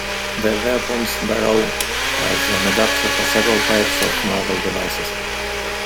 The weapon's barrel has an adapter for several types of muzzle devices.